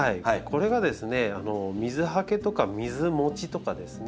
これがですね水はけとか水もちとかですね